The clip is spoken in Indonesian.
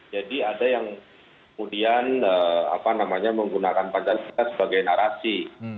jadi ada yang kemudian apa namanya menggunakan pada kita sebagai narasi